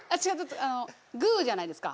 グーじゃないですか。